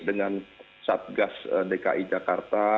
dengan satgas dki jakarta